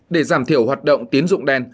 để giảm thiểu hoạt động tiến dụng đen